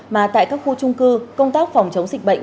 mà tại các khu trung cư công tác phòng chống dịch bệnh